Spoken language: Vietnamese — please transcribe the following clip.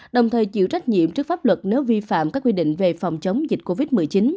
đồng thời chịu trách nhiệm trước pháp luật nếu vi phạm các quy định về phòng chống dịch covid một mươi chín